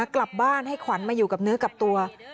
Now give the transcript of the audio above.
กลับบ้านให้ขวัญมาอยู่กับเนื้อกับตัว